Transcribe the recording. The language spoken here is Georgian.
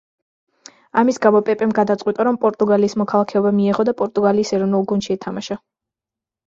ამის გამო პეპემ გადაწყვიტა, რომ პორტუგალიის მოქალაქეობა მიეღო და პორტუგალიის ეროვნულ გუნდში ეთამაშა.